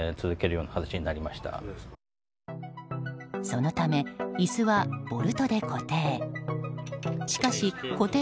そのため、椅子はボルトで固定。